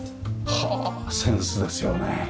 はあセンスですよね。